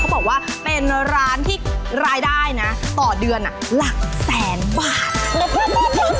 บอกว่าเป็นร้านที่รายได้นะต่อเดือนหลักแสนบาท